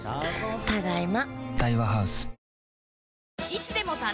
ただいま。